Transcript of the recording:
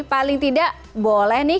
paling tidak boleh nih